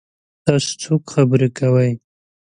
تاسو څوک خبرې کوئ؟